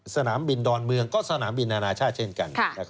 สนามบินดอนเมืองก็สนามบินอนาชาติเช่นกัน